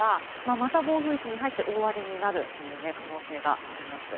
また暴風域に入って大荒れになる可能性があります。